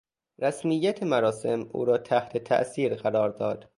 رسمیت مراسم او را تحت تاثیر قرار داد.